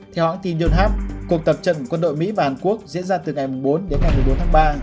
theo hãng tin yonhap cuộc tập trận quân đội mỹ và hàn quốc diễn ra từ ngày bốn đến ngày một mươi bốn tháng ba